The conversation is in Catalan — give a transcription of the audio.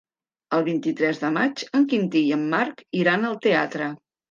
El vint-i-tres de maig en Quintí i en Marc iran al teatre.